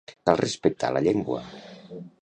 Cal respectar la llengua.